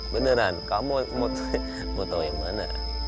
beneran kamu mau tahu yang mana